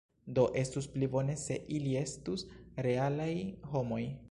Do estus pli bone se ili estus realaj homoj.